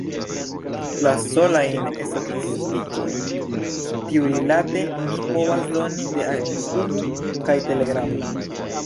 La solajn statistikojn tiurilate mi povas doni de Amikumu kaj Telegramo.